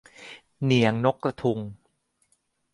เหนียงนกกระทุง